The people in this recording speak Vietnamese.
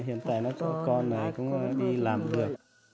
hiện tại nó con này cũng đi làm vừa